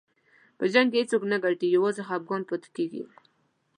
په جنګ کې هېڅوک نه ګټي، یوازې خفګان پاتې کېږي.